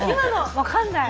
分かんない。